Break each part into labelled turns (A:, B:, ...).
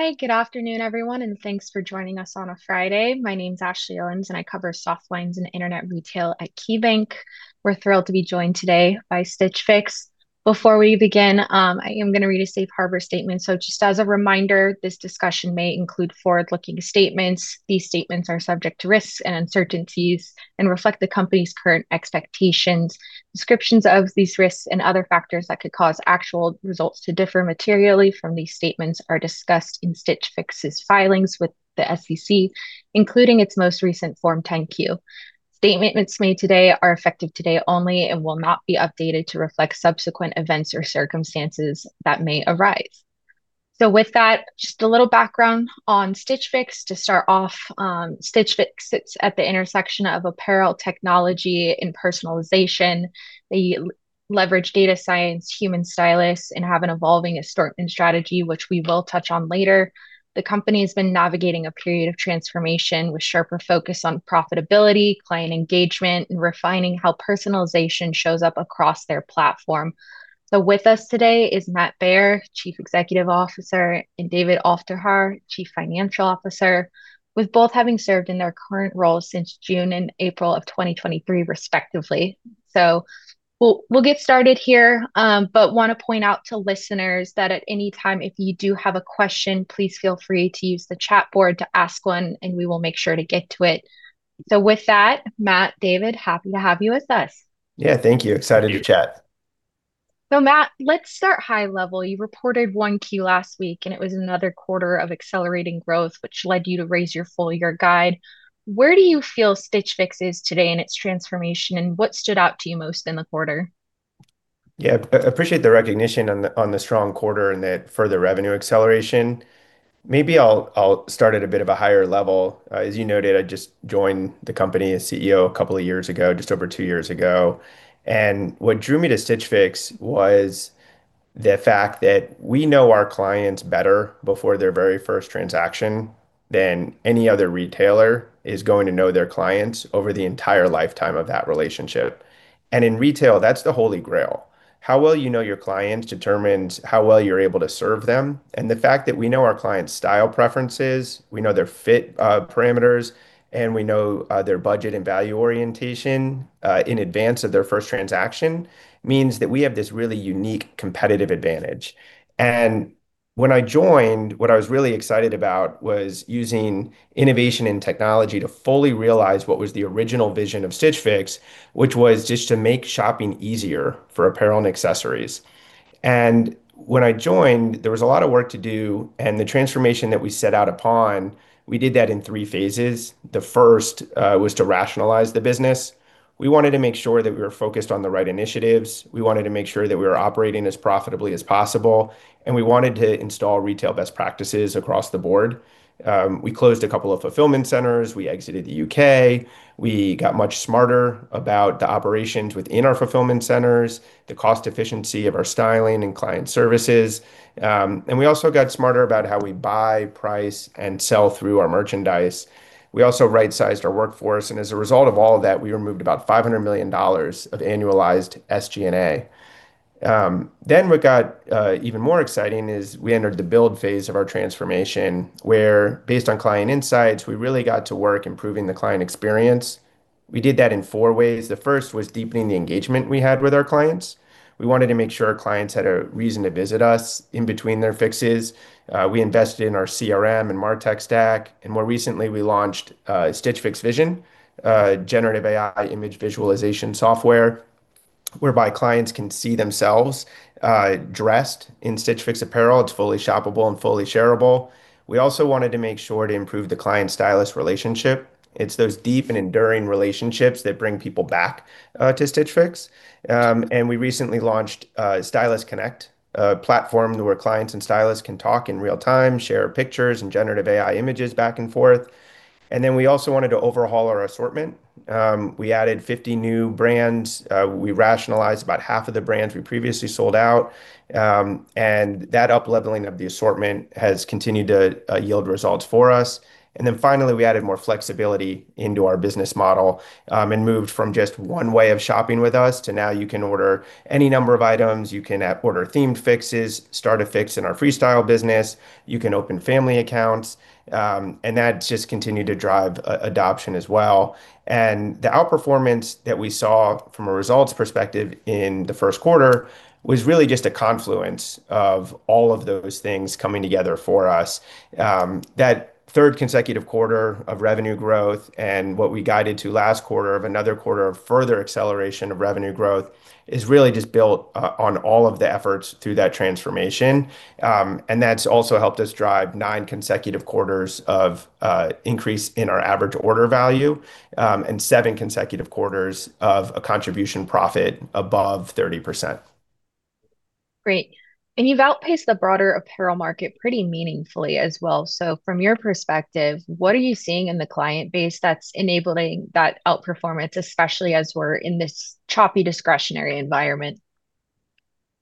A: Hi, good afternoon, everyone, and thanks for joining us on a Friday. My name's Ashley Owens, and I cover Softlines and Internet Retail at KeyBanc. We're thrilled to be joined today by Stitch Fix. Before we begin, I am going to read a Safe Harbor statement. So just as a reminder, this discussion may include forward-looking statements. These statements are subject to risks and uncertainties and reflect the company's current expectations. Descriptions of these risks and other factors that could cause actual results to differ materially from these statements are discussed in Stitch Fix's filings with the SEC, including its most recent Form 10-Q. Statements made today are effective today only and will not be updated to reflect subsequent events or circumstances that may arise. So with that, just a little background on Stitch Fix. To start off, Stitch Fix sits at the intersection of apparel technology and personalization. They leverage data science, human stylists, and have an evolving assortment strategy, which we will touch on later. The company has been navigating a period of transformation with sharper focus on profitability, client engagement, and refining how personalization shows up across their platform. So with us today is Matt Baer, Chief Executive Officer, and David Aufderhaar, Chief Financial Officer, with both having served in their current roles since June and April of 2023, respectively. So we'll get started here, but want to point out to listeners that at any time, if you do have a question, please feel free to use the chat board to ask one, and we will make sure to get to it. So with that, Matt, David, happy to have you with us.
B: Yeah, thank you. Excited to chat.
A: So Matt, let's start high level. You reported 1Q last week, and it was another quarter of accelerating growth, which led you to raise your full-year guide. Where do you feel Stitch Fix is today in its transformation, and what stood out to you most in the quarter?
B: Yeah, I appreciate the recognition on the strong quarter and that further revenue acceleration. Maybe I'll start at a bit of a higher level. As you noted, I just joined the company as CEO a couple of years ago, just over two years ago. And what drew me to Stitch Fix was the fact that we know our clients better before their very first transaction than any other retailer is going to know their clients over the entire lifetime of that relationship. And in retail, that's the Holy Grail. How well you know your clients determines how well you're able to serve them. And the fact that we know our clients' style preferences, we know their fit parameters, and we know their budget and value orientation in advance of their first transaction means that we have this really unique competitive advantage. And when I joined, what I was really excited about was using innovation and technology to fully realize what was the original vision of Stitch Fix, which was just to make shopping easier for apparel and accessories. And when I joined, there was a lot of work to do, and the transformation that we set out upon, we did that in three phases. The first was to rationalize the business. We wanted to make sure that we were focused on the right initiatives. We wanted to make sure that we were operating as profitably as possible, and we wanted to install retail best practices across the board. We closed a couple of fulfillment centers. We exited the U.K. We got much smarter about the operations within our fulfillment centers, the cost efficiency of our styling and client services. And we also got smarter about how we buy, price, and sell through our merchandise. We also right-sized our workforce. And as a result of all of that, we removed about $500 million of annualized SG&A. Then what got even more exciting is we entered the build phase of our transformation where, based on client insights, we really got to work improving the client experience. We did that in four ways. The first was deepening the engagement we had with our clients. We wanted to make sure our clients had a reason to visit us in between their Fixes. We invested in our CRM and MarTech stack. And more recently, we launched Stitch Fix Vision, a generative AI image visualization software whereby clients can see themselves dressed in Stitch Fix apparel. It's fully shoppable and fully shareable. We also wanted to make sure to improve the client-stylist relationship. It's those deep and enduring relationships that bring people back to Stitch Fix, and we recently launched Stylist Connect, a platform where clients and stylists can talk in real time, share pictures and generative AI images back and forth, and then we also wanted to overhaul our assortment. We added 50 new brands. We rationalized about half of the brands we previously sold out, and that upleveling of the assortment has continued to yield results for us, and then finally, we added more flexibility into our business model and moved from just one way of shopping with us to now you can order any number of items. You can order themed Fixes, start a Fix in our Freestyle business. You can open family accounts, and that's just continued to drive adoption as well. The outperformance that we saw from a results perspective in the first quarter was really just a confluence of all of those things coming together for us. That third consecutive quarter of revenue growth and what we guided to last quarter of another quarter of further acceleration of revenue growth is really just built on all of the efforts through that transformation. That's also helped us drive nine consecutive quarters of increase in our average order value and seven consecutive quarters of a contribution profit above 30%.
A: Great. And you've outpaced the broader apparel market pretty meaningfully as well. So from your perspective, what are you seeing in the client base that's enabling that outperformance, especially as we're in this choppy discretionary environment?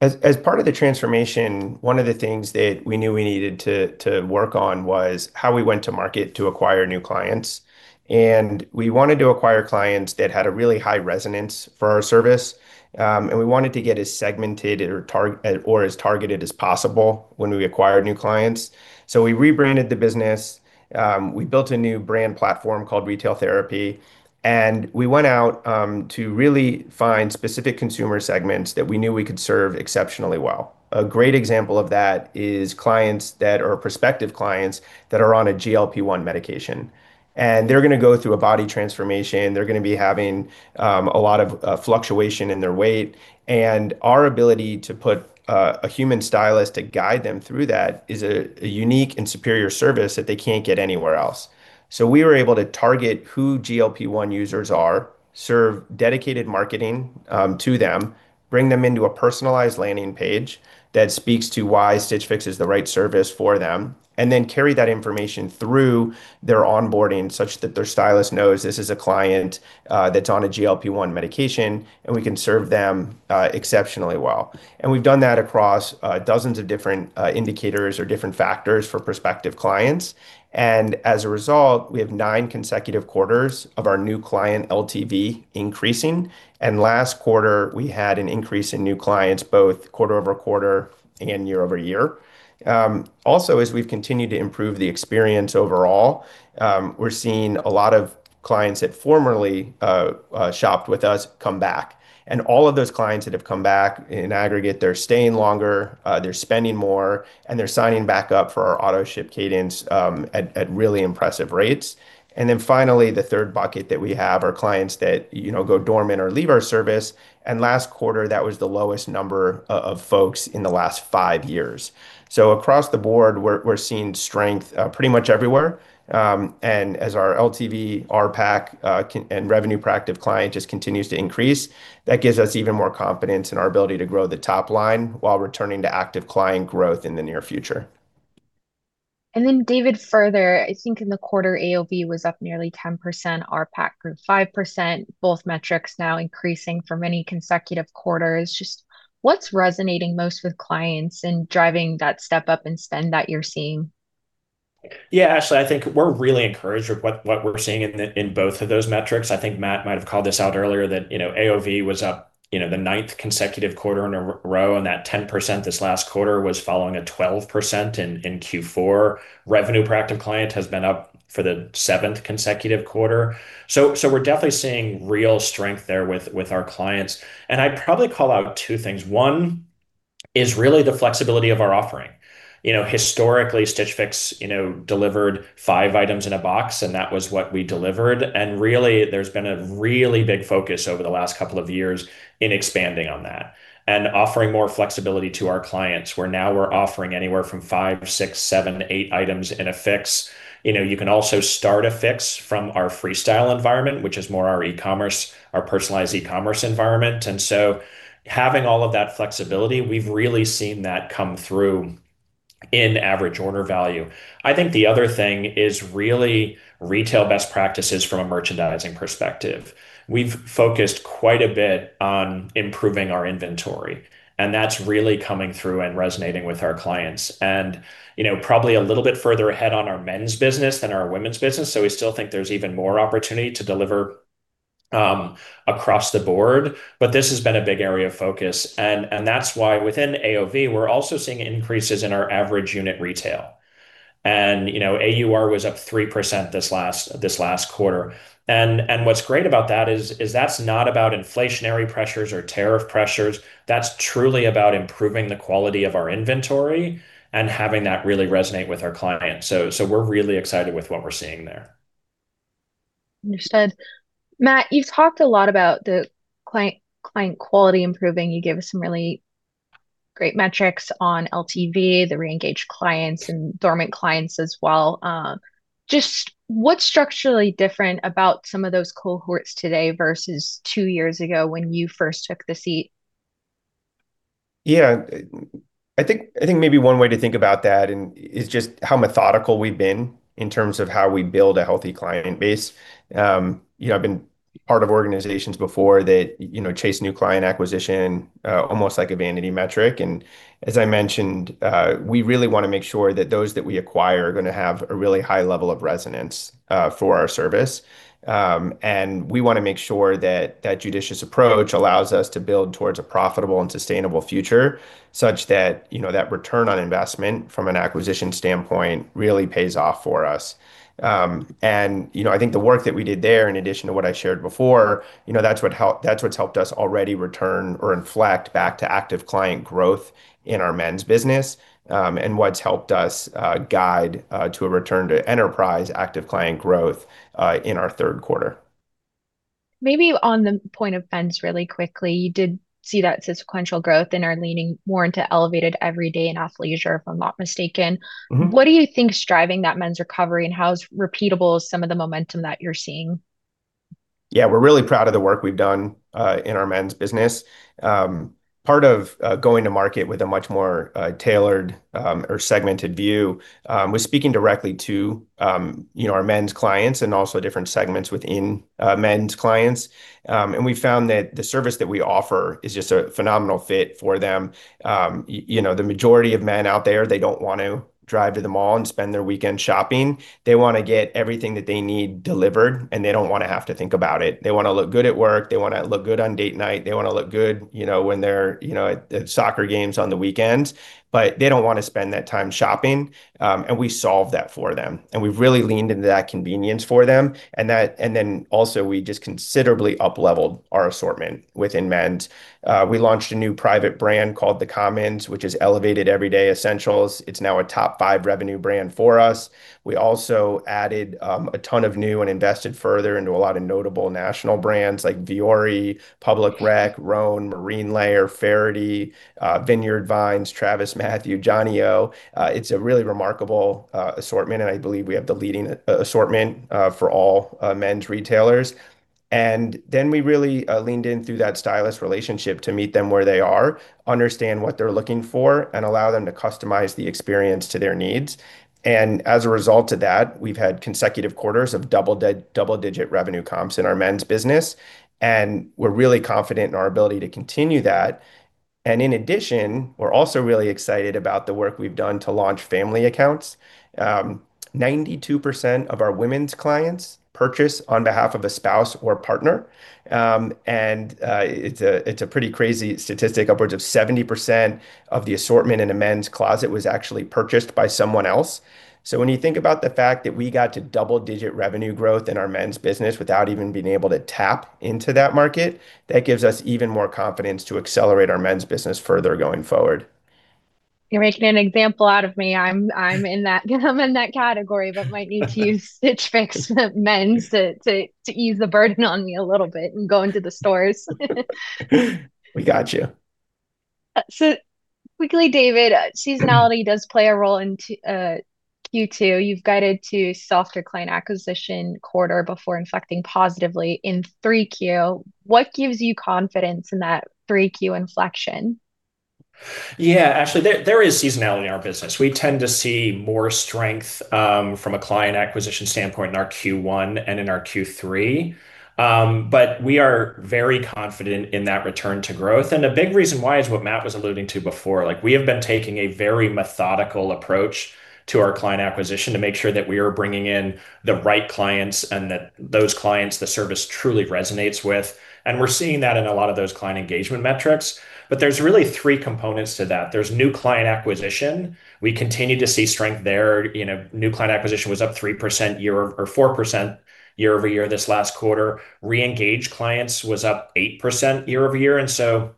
B: As part of the transformation, one of the things that we knew we needed to work on was how we went to market to acquire new clients. And we wanted to acquire clients that had a really high resonance for our service. And we wanted to get as segmented or as targeted as possible when we acquired new clients. So we rebranded the business. We built a new brand platform called Retail Therapy. And we went out to really find specific consumer segments that we knew we could serve exceptionally well. A great example of that is clients that are prospective clients that are on a GLP-1 medication. And they're going to go through a body transformation. They're going to be having a lot of fluctuation in their weight. Our ability to put a human stylist to guide them through that is a unique and superior service that they can't get anywhere else. We were able to target who GLP-1 users are, serve dedicated marketing to them, bring them into a personalized landing page that speaks to why Stitch Fix is the right service for them, and then carry that information through their onboarding such that their stylist knows this is a client that's on a GLP-1 medication, and we can serve them exceptionally well. We've done that across dozens of different indicators or different factors for prospective clients. As a result, we have nine consecutive quarters of our new client LTV increasing. Last quarter, we had an increase in new clients, both quarter-over-quarter and year-over-year. Also, as we've continued to improve the experience overall, we're seeing a lot of clients that formerly shopped with us come back. And all of those clients that have come back in aggregate, they're staying longer, they're spending more, and they're signing back up for our auto-ship cadence at really impressive rates. And then finally, the third bucket that we have are clients that go dormant or leave our service. And last quarter, that was the lowest number of folks in the last five years. So across the board, we're seeing strength pretty much everywhere. And as our LTV, RPAC, and revenue per active client just continues to increase, that gives us even more confidence in our ability to grow the top line while returning to active client growth in the near future.
A: And then, David, further, I think in the quarter, AOV was up nearly 10%, RPAC grew 5%, both metrics now increasing for many consecutive quarters. Just what's resonating most with clients and driving that step up in spend that you're seeing?
C: Yeah, Ashley, I think we're really encouraged with what we're seeing in both of those metrics. I think Matt might have called this out earlier that AOV was up the ninth consecutive quarter in a row, and that 10% this last quarter was following a 12% in Q4. Revenue per active client has been up for the seventh consecutive quarter. So we're definitely seeing real strength there with our clients. And I'd probably call out two things. One is really the flexibility of our offering. Historically, Stitch Fix delivered five items in a box, and that was what we delivered. And really, there's been a really big focus over the last couple of years in expanding on that and offering more flexibility to our clients where now we're offering anywhere from five, six, seven, eight items in a Fix. You can also start a Fix from our Freestyle environment, which is more our e-commerce, our personalized e-commerce environment. And so having all of that flexibility, we've really seen that come through in average order value. I think the other thing is really retail best practices from a merchandising perspective. We've focused quite a bit on improving our inventory, and that's really coming through and resonating with our clients. And probably a little bit further ahead on our men's business than our women's business. So we still think there's even more opportunity to deliver across the board, but this has been a big area of focus. And that's why within AOV, we're also seeing increases in our average unit retail. And AUR was up 3% this last quarter. And what's great about that is that's not about inflationary pressures or tariff pressures. That's truly about improving the quality of our inventory and having that really resonate with our clients, so we're really excited with what we're seeing there.
A: Understood. Matt, you've talked a lot about the client quality improving. You gave us some really great metrics on LTV, the re-engaged clients, and dormant clients as well. Just what's structurally different about some of those cohorts today versus two years ago when you first took the seat?
B: Yeah. I think maybe one way to think about that is just how methodical we've been in terms of how we build a healthy client base. I've been part of organizations before that chase new client acquisition almost like a vanity metric. And as I mentioned, we really want to make sure that those that we acquire are going to have a really high level of resonance for our service. And we want to make sure that that judicious approach allows us to build towards a profitable and sustainable future such that that return on investment from an acquisition standpoint really pays off for us. And I think the work that we did there, in addition to what I shared before, that's what's helped us already return or inflect back to active client growth in our men's business and what's helped us guide to a return to enterprise active client growth in our third quarter.
A: Maybe on the point of men's really quickly, you did see that sequential growth in our leaning more into elevated everyday and athleisure, if I'm not mistaken. What do you think is driving that men's recovery, and how repeatable is some of the momentum that you're seeing?
B: Yeah, we're really proud of the work we've done in our men's business. Part of going to market with a much more tailored or segmented view was speaking directly to our men's clients and also different segments within men's clients. And we found that the service that we offer is just a phenomenal fit for them. The majority of men out there, they don't want to drive to the mall and spend their weekend shopping. They want to get everything that they need delivered, and they don't want to have to think about it. They want to look good at work. They want to look good on date night. They want to look good when they're at soccer games on the weekends. But they don't want to spend that time shopping. And we solve that for them. And we've really leaned into that convenience for them. And then also, we just considerably upleveled our assortment within men's. We launched a new private brand called The Commons, which is elevated everyday essentials. It's now a top five revenue brand for us. We also added a ton of new and invested further into a lot of notable national brands like Vuori, Public Rec, Rhone, Marine Layer, Faherty, Vineyard Vines, TravisMathew, Johnnie-O. It's a really remarkable assortment, and I believe we have the leading assortment for all men's retailers. And then we really leaned in through that stylist relationship to meet them where they are, understand what they're looking for, and allow them to customize the experience to their needs. And as a result of that, we've had consecutive quarters of double-digit revenue comps in our men's business. And we're really confident in our ability to continue that. And in addition, we're also really excited about the work we've done to launch family accounts. 92% of our women's clients purchase on behalf of a spouse or partner. And it's a pretty crazy statistic. Upwards of 70% of the assortment in a men's closet was actually purchased by someone else. So when you think about the fact that we got to double-digit revenue growth in our men's business without even being able to tap into that market, that gives us even more confidence to accelerate our men's business further going forward.
A: You're making an example out of me. I'm in that category, but might need to use Stitch Fix Men's to ease the burden on me a little bit and go into the stores.
B: We got you.
A: So quickly, David, seasonality does play a role in Q2. You've guided to softer client acquisition quarter before inflecting positively in 3Q. What gives you confidence in that 3Q inflection?
C: Yeah, Ashley, there is seasonality in our business. We tend to see more strength from a client acquisition standpoint in our Q1 and in our Q3. But we are very confident in that return to growth. And a big reason why is what Matt was alluding to before. We have been taking a very methodical approach to our client acquisition to make sure that we are bringing in the right clients and that with those clients the service truly resonates. And we're seeing that in a lot of those client engagement metrics. But there's really three components to that. There's new client acquisition. We continue to see strength there. New client acquisition was up 3% or 4% year-over-year this last quarter. Re-engaged clients was up 8% year-over-year. And so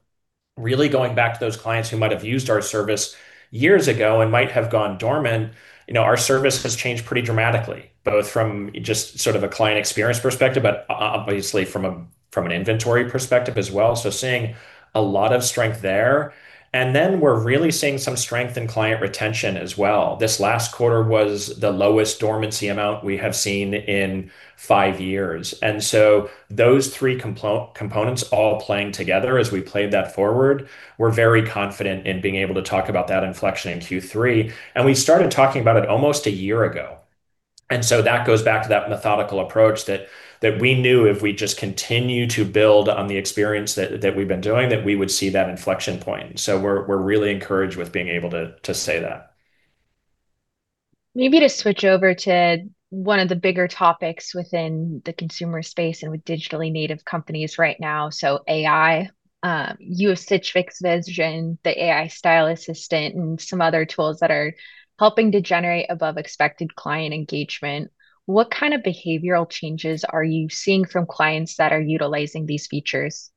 C: really going back to those clients who might have used our service years ago and might have gone dormant, our service has changed pretty dramatically, both from just sort of a client experience perspective, but obviously from an inventory perspective as well. So seeing a lot of strength there. And then we're really seeing some strength in client retention as well. This last quarter was the lowest dormancy amount we have seen in five years. And so those three components all playing together as we played that forward, we're very confident in being able to talk about that inflection in Q3. And we started talking about it almost a year ago. And so that goes back to that methodical approach that we knew if we just continue to build on the experience that we've been doing, that we would see that inflection point. So we're really encouraged with being able to say that.
A: Maybe to switch over to one of the bigger topics within the consumer space and with digitally native companies right now. So AI, you have Stitch Fix Vision, the AI style assistant, and some other tools that are helping to generate above-expected client engagement. What kind of behavioral changes are you seeing from clients that are utilizing these features?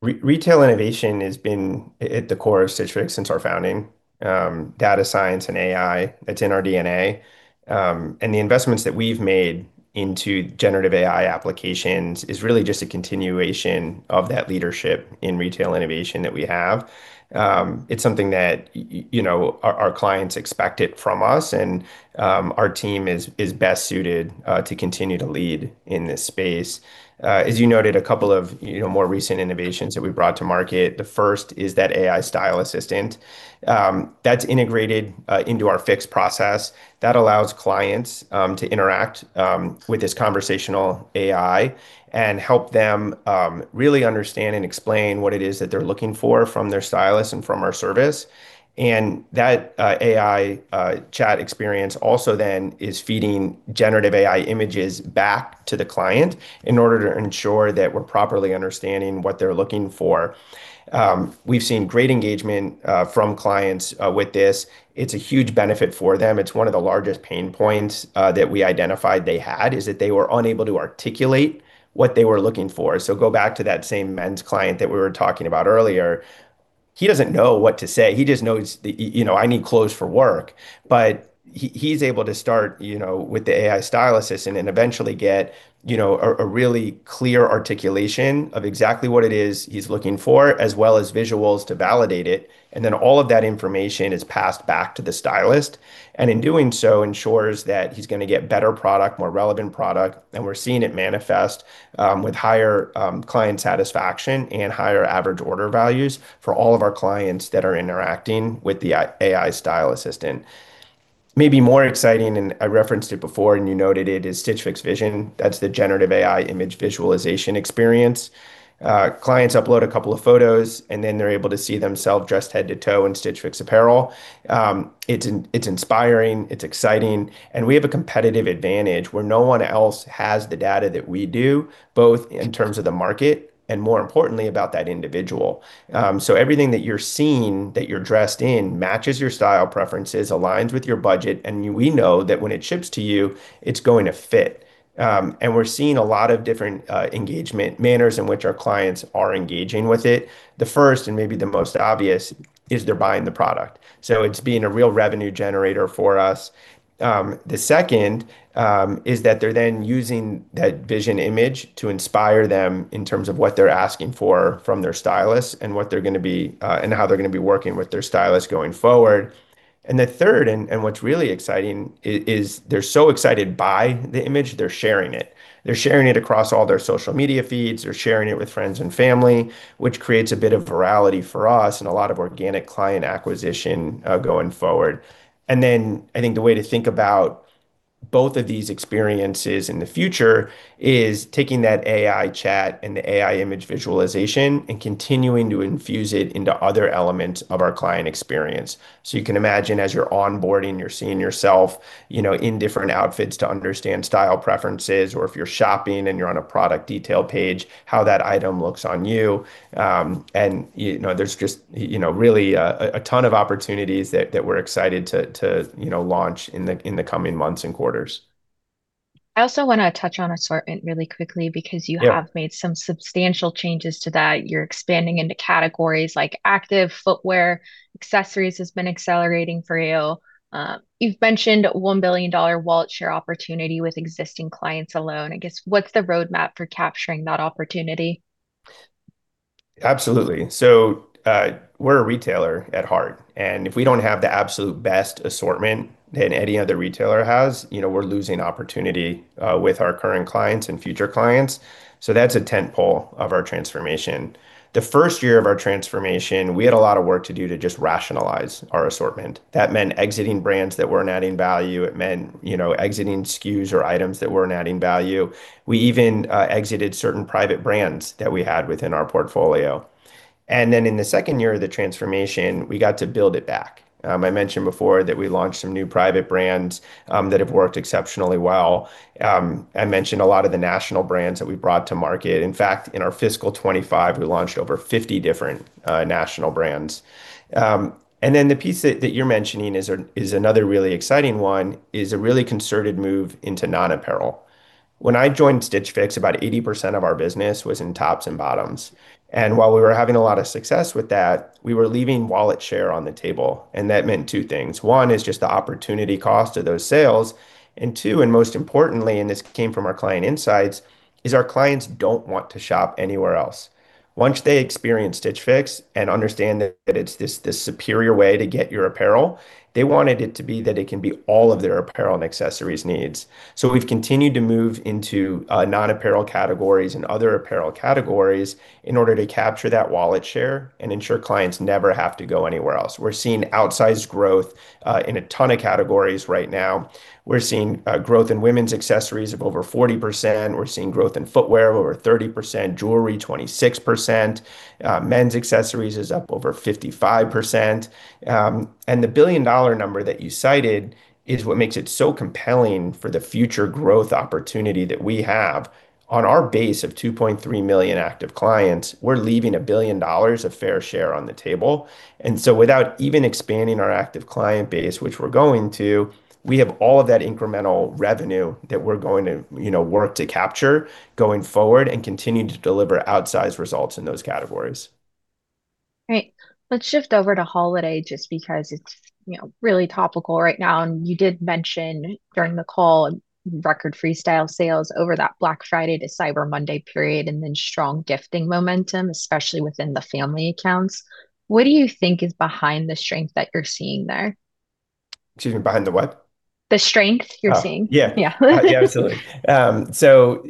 B: Retail innovation has been at the core of Stitch Fix since our founding. Data science and AI, that's in our DNA, and the investments that we've made into generative AI applications is really just a continuation of that leadership in retail innovation that we have. It's something that our clients expect from us, and our team is best suited to continue to lead in this space. As you noted, a couple of more recent innovations that we brought to market. The first is that AI style assistant. That's integrated into our Fix process. That allows clients to interact with this conversational AI and help them really understand and explain what it is that they're looking for from their stylist and from our service. That AI chat experience also then is feeding generative AI images back to the client in order to ensure that we're properly understanding what they're looking for. We've seen great engagement from clients with this. It's a huge benefit for them. It's one of the largest pain points that we identified they had is that they were unable to articulate what they were looking for. Go back to that same men's client that we were talking about earlier. He doesn't know what to say. He just knows, "I need clothes for work." He's able to start with the AI style assistant and eventually get a really clear articulation of exactly what it is he's looking for, as well as visuals to validate it. Then all of that information is passed back to the stylist. And in doing so, ensures that he's going to get better product, more relevant product. And we're seeing it manifest with higher client satisfaction and higher average order values for all of our clients that are interacting with the AI style assistant. Maybe more exciting, and I referenced it before, and you noted it, is Stitch Fix Vision. That's the generative AI image visualization experience. Clients upload a couple of photos, and then they're able to see themselves dressed head to toe in Stitch Fix apparel. It's inspiring. It's exciting. And we have a competitive advantage where no one else has the data that we do, both in terms of the market and, more importantly, about that individual. So everything that you're seeing that you're dressed in matches your style preferences, aligns with your budget, and we know that when it ships to you, it's going to fit. We're seeing a lot of different engagement manners in which our clients are engaging with it. The first and maybe the most obvious is they're buying the product. So it's being a real revenue generator for us. The second is that they're then using that vision image to inspire them in terms of what they're asking for from their stylist and what they're going to be and how they're going to be working with their stylist going forward. The third, and what's really exciting, is they're so excited by the image, they're sharing it. They're sharing it across all their social media feeds. They're sharing it with friends and family, which creates a bit of virality for us and a lot of organic client acquisition going forward. And then I think the way to think about both of these experiences in the future is taking that AI chat and the AI image visualization and continuing to infuse it into other elements of our client experience. So you can imagine as you're onboarding, you're seeing yourself in different outfits to understand style preferences, or if you're shopping and you're on a product detail page, how that item looks on you. And there's just really a ton of opportunities that we're excited to launch in the coming months and quarters.
A: I also want to touch on assortment really quickly because you have made some substantial changes to that. You're expanding into categories like active, footwear, accessories, has been accelerating for you. You've mentioned a $1 billion wallet share opportunity with existing clients alone. I guess, what's the roadmap for capturing that opportunity?
B: Absolutely. So we're a retailer at heart. And if we don't have the absolute best assortment that any other retailer has, we're losing opportunity with our current clients and future clients. So that's a tentpole of our transformation. The first year of our transformation, we had a lot of work to do to just rationalize our assortment. That meant exiting brands that weren't adding value. It meant exiting SKUs or items that weren't adding value. We even exited certain private brands that we had within our portfolio. And then in the second year of the transformation, we got to build it back. I mentioned before that we launched some new private brands that have worked exceptionally well. I mentioned a lot of the national brands that we brought to market. In fact, in our fiscal 2025, we launched over 50 different national brands. And then the piece that you're mentioning is another really exciting one: a really concerted move into non-apparel. When I joined Stitch Fix, about 80% of our business was in tops and bottoms. And while we were having a lot of success with that, we were leaving wallet share on the table. And that meant two things. One is just the opportunity cost of those sales. And two, and most importantly, and this came from our client insights, is our clients don't want to shop anywhere else. Once they experience Stitch Fix and understand that it's this superior way to get your apparel, they wanted it to be that it can be all of their apparel and accessories needs. So we've continued to move into non-apparel categories and other apparel categories in order to capture that wallet share and ensure clients never have to go anywhere else. We're seeing outsized growth in a ton of categories right now. We're seeing growth in women's accessories of over 40%. We're seeing growth in footwear of over 30%, jewelry 26%. Men's accessories is up over 55%. And the billion-dollar number that you cited is what makes it so compelling for the future growth opportunity that we have. On our base of 2.3 million active clients, we're leaving $1 billion of fair share on the table. And so without even expanding our active client base, which we're going to, we have all of that incremental revenue that we're going to work to capture going forward and continue to deliver outsized results in those categories.
A: Great. Let's shift over to holiday just because it's really topical right now. And you did mention during the call, record Freestyle sales over that Black Friday to Cyber Monday period, and then strong gifting momentum, especially within the family accounts. What do you think is behind the strength that you're seeing there?
B: Excuse me, behind the what?
A: The strength you're seeing.
B: Yeah. Yeah, absolutely. So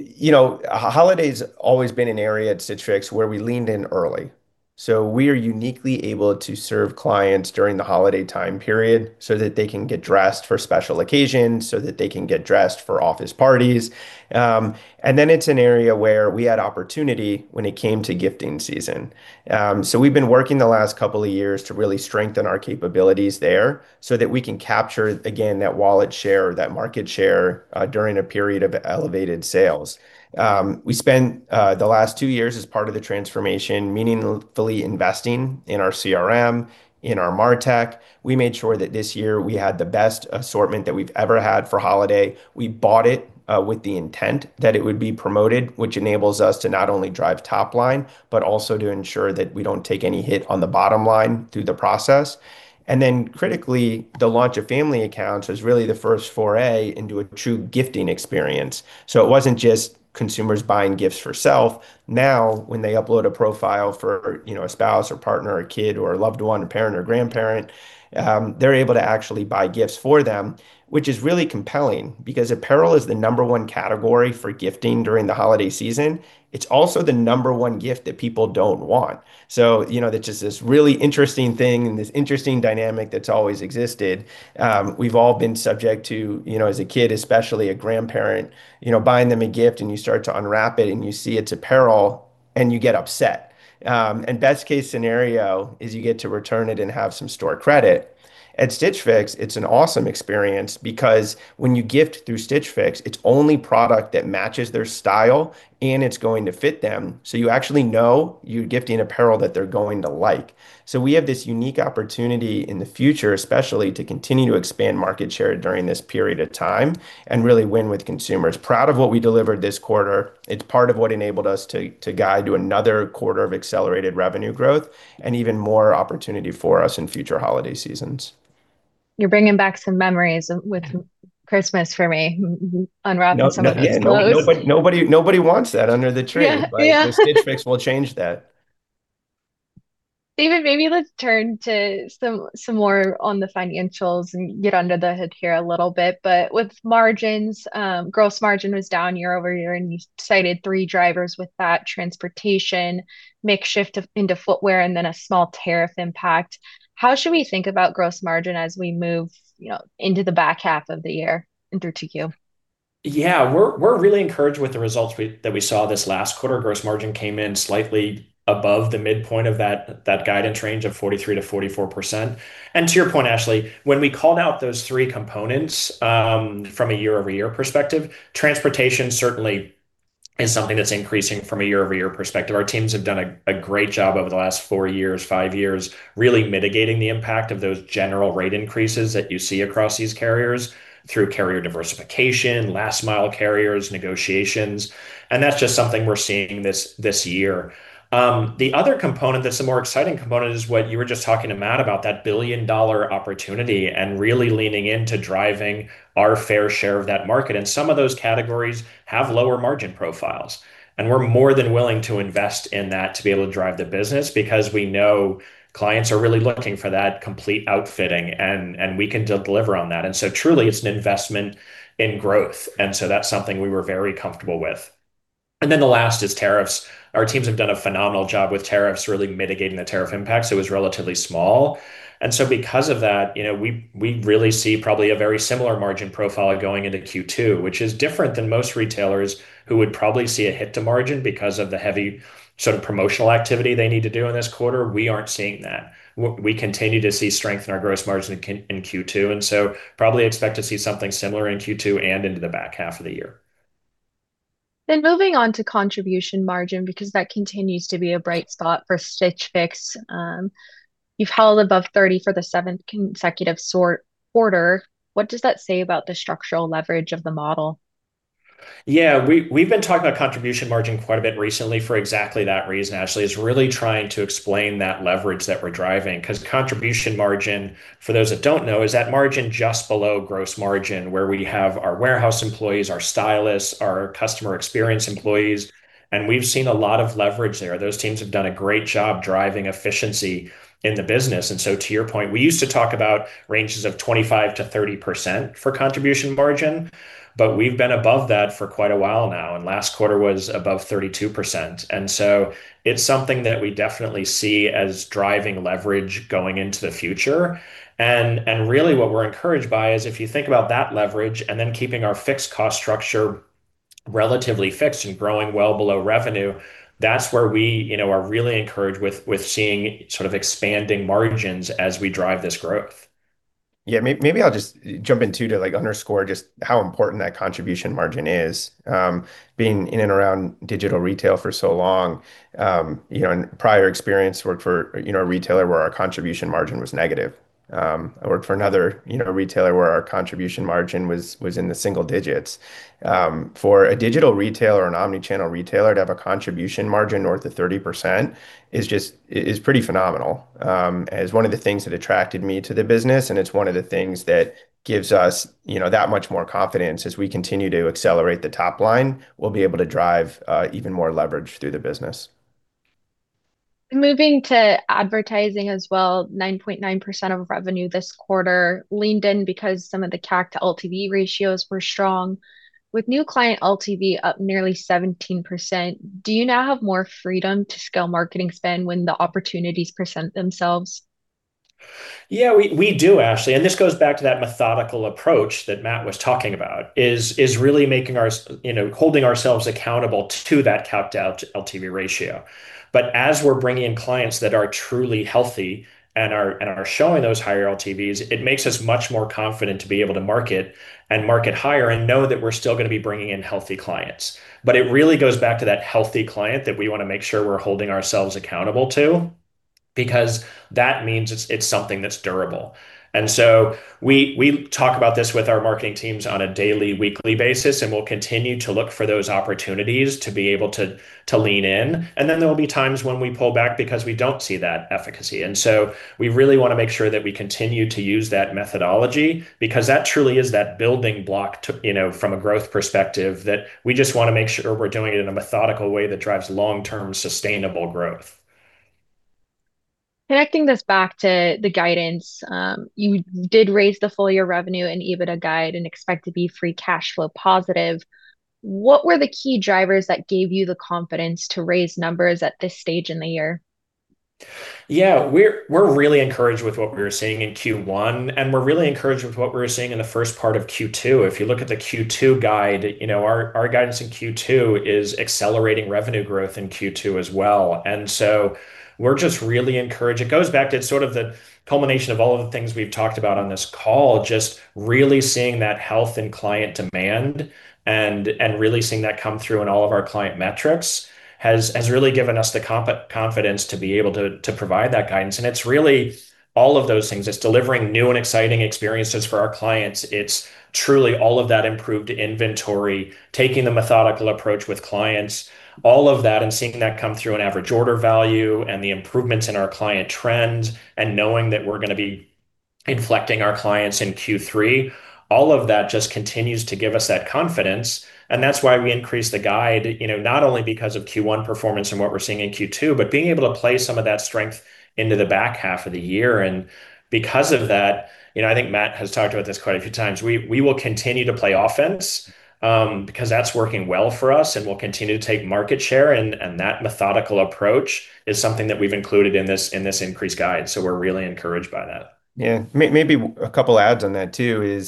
B: holiday's always been an area at Stitch Fix where we leaned in early. So we are uniquely able to serve clients during the holiday time period so that they can get dressed for special occasions, so that they can get dressed for office parties. And then it's an area where we had opportunity when it came to gifting season. So we've been working the last couple of years to really strengthen our capabilities there so that we can capture, again, that wallet share or that market share during a period of elevated sales. We spent the last two years as part of the transformation, meaningfully investing in our CRM, in our MarTech. We made sure that this year we had the best assortment that we've ever had for holiday. We bought it with the intent that it would be promoted, which enables us to not only drive top line, but also to ensure that we don't take any hit on the bottom line through the process, and then critically, the launch of family accounts was really the first foray into a true gifting experience, so it wasn't just consumers buying gifts for self. Now, when they upload a profile for a spouse or partner or kid or a loved one, a parent or grandparent, they're able to actually buy gifts for them, which is really compelling because apparel is the number one category for gifting during the holiday season. It's also the number one gift that people don't want, so that's just this really interesting thing and this interesting dynamic that's always existed. We've all been subject to, as a kid, especially a grandparent, buying them a gift, and you start to unwrap it and you see it's apparel and you get upset, and best case scenario is you get to return it and have some store credit. At Stitch Fix, it's an awesome experience because when you gift through Stitch Fix, it's only product that matches their style and it's going to fit them, so you actually know you're gifting apparel that they're going to like, so we have this unique opportunity in the future, especially to continue to expand market share during this period of time and really win with consumers. Proud of what we delivered this quarter. It's part of what enabled us to guide to another quarter of accelerated revenue growth and even more opportunity for us in future holiday seasons.
A: You're bringing back some memories with Christmas for me, unwrapping some of those clothes.
B: Nobody wants that under the tree. Stitch Fix will change that.
A: David, maybe let's turn to some more on the financials and get under the hood here a little bit. But with margins, gross margin was down year-over-year, and you cited three drivers with that: transportation, mix shift into footwear, and then a small tariff impact. How should we think about gross margin as we move into the back half of the year and through to you?
C: Yeah, we're really encouraged with the results that we saw this last quarter. Gross margin came in slightly above the midpoint of that guidance range of 43%-44%. And to your point, Ashley, when we called out those three components from a year-over-year perspective, transportation certainly is something that's increasing from a year-over-year perspective. Our teams have done a great job over the last four years, five years, really mitigating the impact of those general rate increases that you see across these carriers through carrier diversification, last-mile carriers, negotiations. And that's just something we're seeing this year. The other component that's a more exciting component is what you were just talking to Matt about, that billion-dollar opportunity and really leaning into driving our fair share of that market. And some of those categories have lower margin profiles. And we're more than willing to invest in that to be able to drive the business because we know clients are really looking for that complete outfitting, and we can deliver on that. And so truly, it's an investment in growth. And so that's something we were very comfortable with. And then the last is tariffs. Our teams have done a phenomenal job with tariffs, really mitigating the tariff impacts. It was relatively small. And so because of that, we really see probably a very similar margin profile going into Q2, which is different than most retailers who would probably see a hit to margin because of the heavy sort of promotional activity they need to do in this quarter. We aren't seeing that. We continue to see strength in our gross margin in Q2. Probably expect to see something similar in Q2 and into the back half of the year.
A: Then moving on to contribution margin, because that continues to be a bright spot for Stitch Fix. You've held above 30 for the seventh consecutive quarter. What does that say about the structural leverage of the model?
C: Yeah, we've been talking about contribution margin quite a bit recently for exactly that reason, Ashley. It's really trying to explain that leverage that we're driving. Because contribution margin, for those that don't know, is that margin just below gross margin where we have our warehouse employees, our stylists, our customer experience employees. And we've seen a lot of leverage there. Those teams have done a great job driving efficiency in the business. And so to your point, we used to talk about ranges of 25%-30% for contribution margin, but we've been above that for quite a while now. And last quarter was above 32%. And so it's something that we definitely see as driving leverage going into the future. Really what we're encouraged by is if you think about that leverage and then keeping our fixed cost structure relatively fixed and growing well below revenue, that's where we are really encouraged with seeing sort of expanding margins as we drive this growth.
B: Yeah, maybe I'll just jump in too to underscore just how important that contribution margin is. Being in and around digital retail for so long, prior experience worked for a retailer where our contribution margin was negative. I worked for another retailer where our contribution margin was in the single digits. For a digital retailer or an omnichannel retailer to have a contribution margin north of 30% is pretty phenomenal. It's one of the things that attracted me to the business, and it's one of the things that gives us that much more confidence as we continue to accelerate the top line. We'll be able to drive even more leverage through the business.
A: Moving to advertising as well, 9.9% of revenue this quarter leaned in because some of the CAC to LTV ratios were strong, with new client LTV up nearly 17%. Do you now have more freedom to scale marketing spend when the opportunities present themselves?
C: Yeah, we do, Ashley. And this goes back to that methodical approach that Matt was talking about, is really holding ourselves accountable to that CAC to LTV ratio. But as we're bringing in clients that are truly healthy and are showing those higher LTVs, it makes us much more confident to be able to market and market higher and know that we're still going to be bringing in healthy clients. But it really goes back to that healthy client that we want to make sure we're holding ourselves accountable to because that means it's something that's durable. And so we talk about this with our marketing teams on a daily, weekly basis, and we'll continue to look for those opportunities to be able to lean in. And then there will be times when we pull back because we don't see that efficacy. And so we really want to make sure that we continue to use that methodology because that truly is that building block from a growth perspective that we just want to make sure we're doing it in a methodical way that drives long-term sustainable growth.
A: Connecting this back to the guidance, you did raise the full year revenue and EBITDA guide and expect to be free cash flow positive. What were the key drivers that gave you the confidence to raise numbers at this stage in the year?
C: Yeah, we're really encouraged with what we were seeing in Q1, and we're really encouraged with what we were seeing in the first part of Q2. If you look at the Q2 guide, our guidance in Q2 is accelerating revenue growth in Q2 as well. And so we're just really encouraged. It goes back to it's sort of the culmination of all of the things we've talked about on this call, just really seeing that health and client demand and really seeing that come through in all of our client metrics has really given us the confidence to be able to provide that guidance. And it's really all of those things. It's delivering new and exciting experiences for our clients. It's truly all of that improved inventory, taking the methodical approach with clients, all of that, and seeing that come through an average order value and the improvements in our client trends and knowing that we're going to be inflecting our clients in Q3. All of that just continues to give us that confidence, and that's why we increase the guide, not only because of Q1 performance and what we're seeing in Q2, but being able to play some of that strength into the back half of the year, and because of that, I think Matt has talked about this quite a few times. We will continue to play offense because that's working well for us, and we'll continue to take market share, and that methodical approach is something that we've included in this increased guide, so we're really encouraged by that.
B: Yeah. Maybe a couple of asides on that too.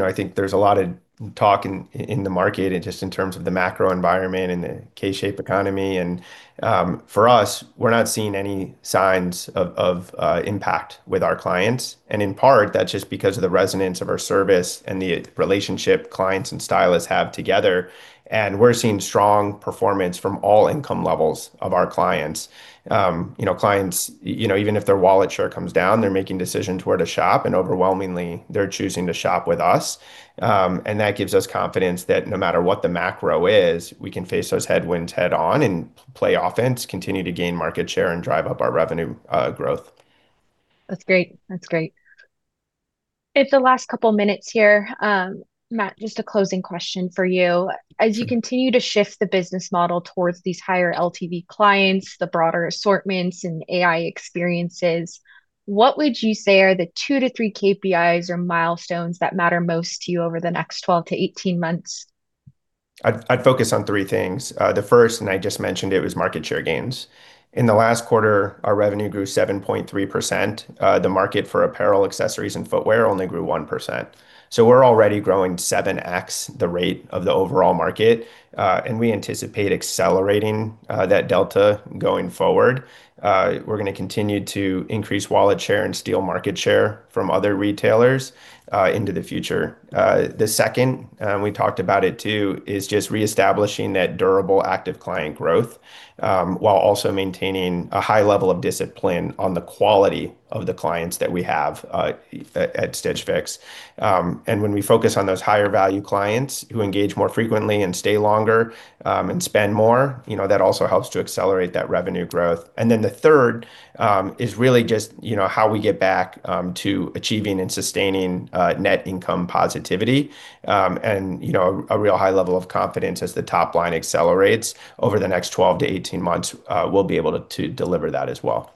B: I think there's a lot of talk in the market and just in terms of the macro environment and the K-shaped economy. For us, we're not seeing any signs of impact with our clients. In part, that's just because of the resonance of our service and the relationship clients and stylists have together. We're seeing strong performance from all income levels of our clients. Clients, even if their wallet share comes down, they're making decisions where to shop. Overwhelmingly, they're choosing to shop with us. That gives us confidence that no matter what the macro is, we can face those headwinds head-on and play offense, continue to gain market share, and drive up our revenue growth.
A: That's great. That's great. It's the last couple of minutes here. Matt, just a closing question for you. As you continue to shift the business model towards these higher LTV clients, the broader assortments, and AI experiences, what would you say are the two to three KPIs or milestones that matter most to you over the next 12 to 18 months?
B: I'd focus on three things. The first, and I just mentioned it, was market share gains. In the last quarter, our revenue grew 7.3%. The market for apparel, accessories, and footwear only grew 1%. So we're already growing 7X the rate of the overall market. And we anticipate accelerating that delta going forward. We're going to continue to increase wallet share and steal market share from other retailers into the future. The second, and we talked about it too, is just reestablishing that durable active client growth while also maintaining a high level of discipline on the quality of the clients that we have at Stitch Fix. And when we focus on those higher-value clients who engage more frequently and stay longer and spend more, that also helps to accelerate that revenue growth. And then the third is really just how we get back to achieving and sustaining net income positivity and a real high level of confidence as the top line accelerates over the next 12 to 18 months. We'll be able to deliver that as well.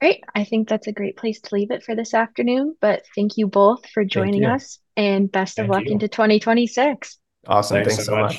A: Great. I think that's a great place to leave it for this afternoon. But thank you both for joining us.
C: Thank you.
A: Best of luck into 2026.
B: Awesome. Thanks so much.